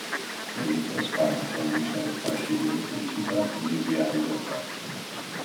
L'elettrospada può lanciare fasci di elettricità e deviare gli attacchi.